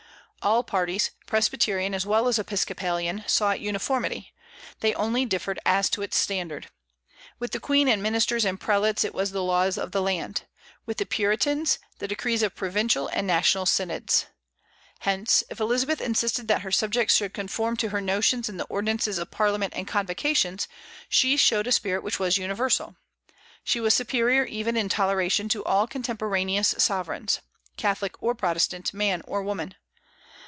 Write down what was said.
All parties, Presbyterian as well as Episcopalian, sought uniformity; they only differed as to its standard. With the Queen and ministers and prelates it was the laws of the land; with the Puritans, the decrees of provincial and national synods. Hence, if Elizabeth insisted that her subjects should conform to her notions and the ordinances of Parliament and convocations, she showed a spirit which was universal. She was superior even in toleration to all contemporaneous sovereigns, Catholic or Protestant, man or woman.